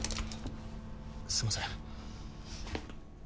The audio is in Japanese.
すいません。